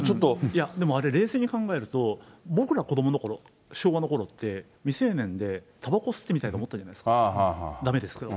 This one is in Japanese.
いや、でもあれ、冷静に考えると、僕ら子どものころ、昭和のころって、未成年でたばこ吸ってみたいと思ったじゃないですか、だめですけど。